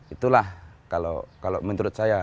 itulah kalau menurut saya